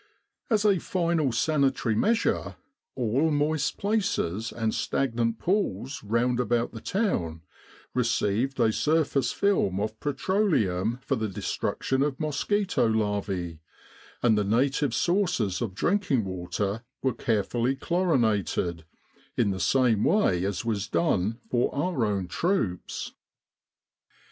As a final sanitary measure, all moist places and stag nant pools round about the town received a surface film of petroleum for the destruction of mosquito larvae ; and the native sources of drinking water were carefully chlorinated, in the same way as was done for our own troops.